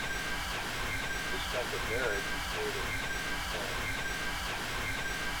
This type of marriage is made in Bhutan.